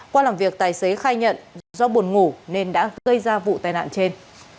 qua làm việc tài xế khai nhận do buồn ngủ nên đã gây ra vụ tai nạn trên